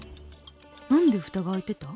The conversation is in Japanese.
何で蓋が開いてた？